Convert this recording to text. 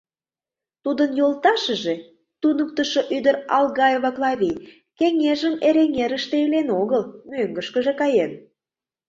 Тудын йолташыже, туныктышо ӱдыр Алгаева Клавий, кеҥежым Эреҥерыште илен огыл, мӧҥгышкыжӧ каен.